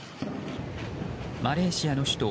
マレーシアの首都